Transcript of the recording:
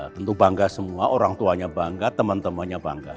tentu bangga semua orang tuanya bangga teman temannya bangga